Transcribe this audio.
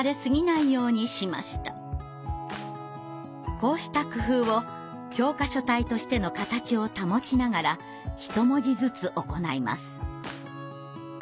こうした工夫を教科書体としての形を保ちながらひと文字ずつ行います。